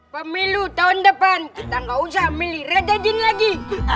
pemilu tahun depan tangga usah milih radha ding lagi